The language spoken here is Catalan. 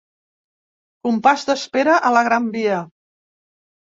Compàs d’espera a la Gran Via.